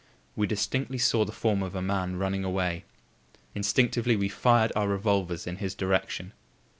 We distinctly saw the form of a man running away. Instinctively we fired our revolvers in his direction.